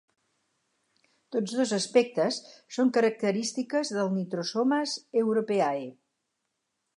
Tots dos aspectes són característiques del "Nitrosomonas europaea".